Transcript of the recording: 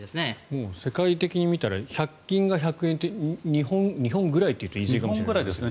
もう世界的に見たら１００均が１００円って日本ぐらいというと言い過ぎかもしれませんが。